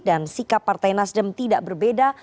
dan sikap partai nasdem tidak berbeda